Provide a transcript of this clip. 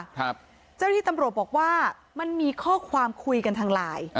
เจ้าหน้าที่ตำรวจบอกว่ามันมีข้อความคุยกันทางไลน์